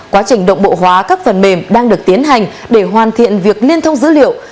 quá trình động bộ hóa các phần mềm đang được tiến hành để hoàn thiện việc liên thông dữ liệu